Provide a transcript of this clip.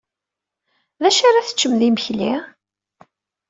D acu ara teččem d imekli?